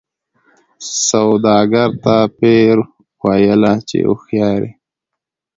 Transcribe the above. سوداګر ته پیر ویله چي هوښیار یې